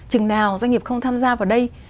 chừng nào doanh nghiệp không tham gia vào đây